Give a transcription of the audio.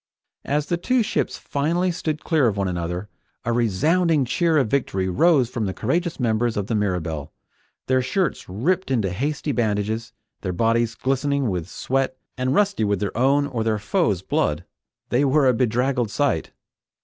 As the two ships finally stood clear of one another, a resounding cheer of victory rose from the courageous members of the Mirabelle. Their shirts ripped into hasty bandages, their bodies glistening with sweat and rusty with their own or their foes' blood, they were a bedraggled sight.